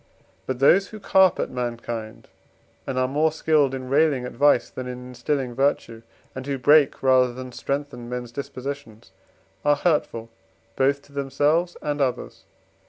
But those who carp at mankind, and are more skilled in railing at vice than in instilling virtue, and who break rather than strengthen men's dispositions, are hurtful both to themselves and others.